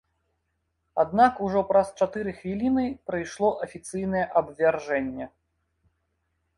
Аднак ужо праз чатыры хвіліны прыйшло афіцыйнае абвяржэнне.